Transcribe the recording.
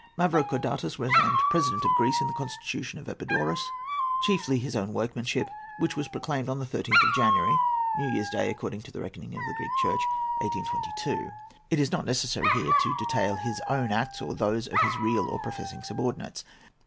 Mavrocordatos was named President of Greece in the Constitution of Epidaurus, chiefly his own workmanship, which was proclaimed on the 13th of January—New Year's Day, according to the reckoning of the Greek Church—1822. It is not necessary here to detail his own acts or those of his real or professing subordinates.